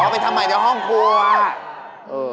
อ๋อไปทำใหม่ในห้องครัวเออ